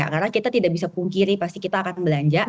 karena kita tidak bisa pungkiri pasti kita akan belanja